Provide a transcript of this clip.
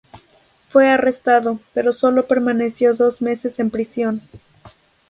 Fue arrestado, pero solo permaneció dos meses en prisión.